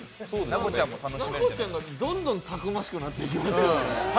奈子ちゃんがどんどんたくましくなっていきますよね。